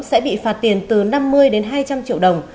sẽ bị phạt tiền từ năm mươi đến hai trăm linh triệu đồng